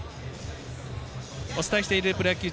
お伝えしているプロ野球